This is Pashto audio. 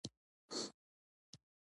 مورغاب سیند د ټولو افغانانو ژوند اغېزمن کوي.